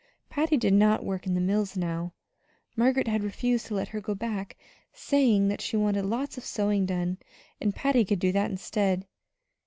Patty did not work in the mills now; Margaret had refused to let her go back, saying that she wanted lots of sewing done, and Patty could do that instead.